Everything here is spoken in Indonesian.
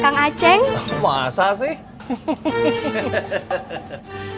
pantesan aja gak ada yang mau sama kamu ceng